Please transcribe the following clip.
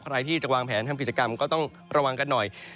ใครที่จะวางแผนทำกิจกรรมก็ต้องระวังกันหน่อย